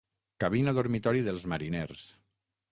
Cabina dormitori dels mariners.